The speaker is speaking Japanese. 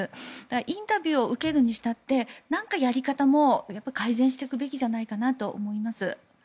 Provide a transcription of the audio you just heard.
インタビューを受けるにしたって何かやり方も改善していくべきじゃないかなと思います。